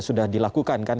sudah dilakukan kan